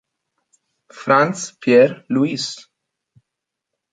Frantz Pierre-Louis